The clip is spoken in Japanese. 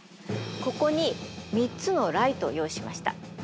ここに３つのライトを用意しました。